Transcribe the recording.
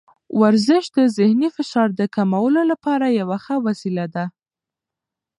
ورزش د ذهني فشار د کمولو لپاره یوه ښه وسیله ده.